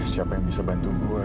siapa yang bisa bantu gue